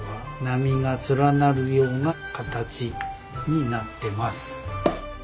波が連なるような形になってます。